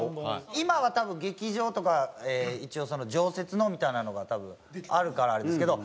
今は多分劇場とか一応常設のみたいなのが多分あるからあれですけど。